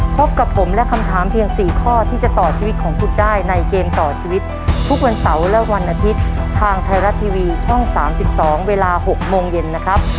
พบกับผมและคำถามเพียง๔ข้อที่จะต่อชีวิตของคุณได้ในเกมต่อชีวิตทุกวันเสาร์และวันอาทิตย์ทางไทยรัฐทีวีช่อง๓๒เวลา๖โมงเย็นนะครับ